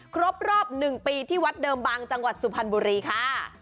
ครบรอบ๑ปีที่วัดเดิมบางจังหวัดสุพรรณบุรีค่ะ